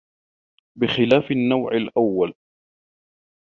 بِخِلَافِ النَّوْعِ الْأَوَّلِ